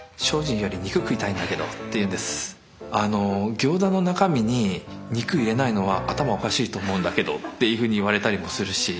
「ギョーザの中身に肉入れないのは頭おかしいと思うんだけど」っていうふうに言われたりもするし。